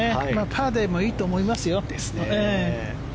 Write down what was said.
パーでもいいと思いますよ。